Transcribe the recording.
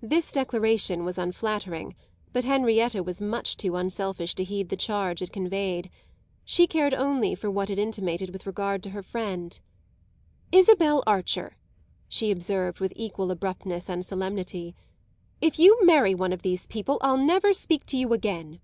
This declaration was unflattering, but Henrietta was much too unselfish to heed the charge it conveyed; she cared only for what it intimated with regard to her friend. "Isabel Archer," she observed with equal abruptness and solemnity, "if you marry one of these people I'll never speak to you again!"